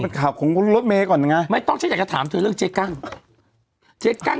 อย่างนี้ของพูดจะด่าก็จะด่าย